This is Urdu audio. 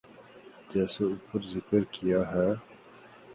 جیسے اوپر ذکر کیا ہے۔